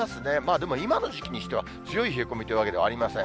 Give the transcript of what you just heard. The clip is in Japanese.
でも今の時期にしては強い冷え込みというわけではありません。